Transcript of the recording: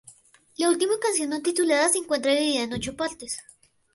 La última canción no titulada se encuentra dividida en ocho partes.